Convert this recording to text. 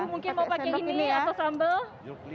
ibu mungkin mau pakai ini ya atau sambal